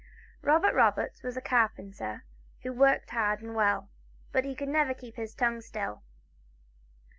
ROBERT ROBERTS was a carpenter who worked hard and well ; but he could never keep his tongue still.